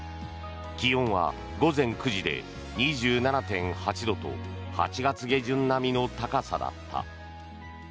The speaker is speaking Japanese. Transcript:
気温は午前９時で２７．８度と８月下旬並みの高さだった。